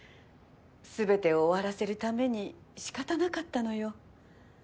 全てを終わらせるために仕方なかったのよ。